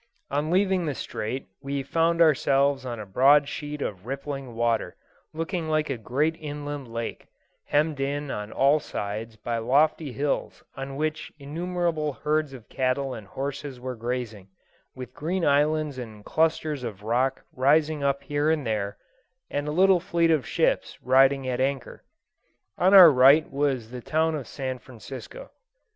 On leaving the strait we found ourselves on a broad sheet of rippling water looking like a great inland lake, hemmed in on all sides by lofty hills on which innumerable herds of cattle and horses were grazing, with green islands and clusters of rock rising up here and there, and a little fleet of ships riding at anchor. On our right was the town of San Francisco.